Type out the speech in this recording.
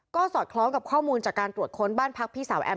ก็สอดคล้องกับข้อมูลจากการตรวจค้นบ้านพักพี่สาวแอม